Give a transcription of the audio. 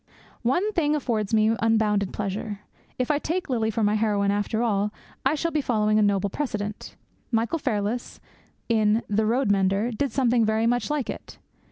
One thing affords me unbounded pleasure. If I take Lily for my heroine after all, I shall be following a noble precedent Michael Fairless, in The Roadmender, did something very much like it.